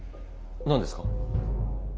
何ですか？